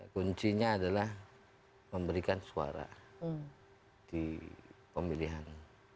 kunci nya adalah memberikan suara di pemilihan